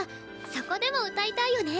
そこでも歌いたいよね。